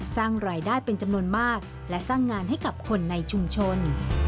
สร้างรายได้เป็นจำนวนมากและสร้างงานให้กับคนในชุมชน